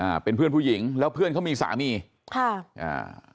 อ่าเป็นเพื่อนผู้หญิงแล้วเพื่อนเขามีสามีค่ะอ่า